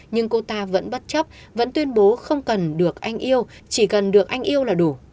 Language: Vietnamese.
nhưng cô ta vẫn bất chấp vẫn tuyên bố không cần được anh yêu chỉ cần được anh yêu là đủ